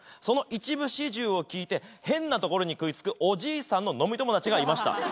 その一部始終を聞いて変なところに食いつくおじいさんの飲み友達がいました。